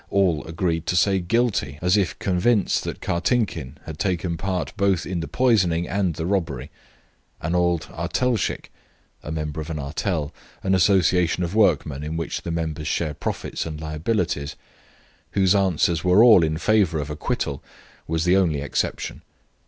All agreed to say "Guilty," as if convinced that Kartinkin had taken part both in the poisoning and the robbery. An old artelshik, [member of an artel, an association of workmen, in which the members share profits and liabilities] whose answers were all in favour of acquittal, was the only exception.